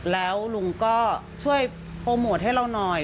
แล้วลุงก็ช่วยโปรโมทให้เราหน่อย